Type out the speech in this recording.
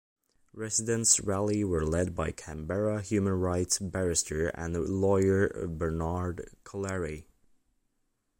Residents Rally were led by Canberra human rights barrister and lawyer, Bernard Collaery.